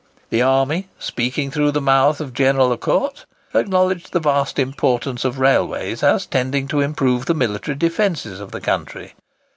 The army, speaking through the mouth of General A'Court, acknowledged the vast importance of railways, as tending to improve the military defences of the country.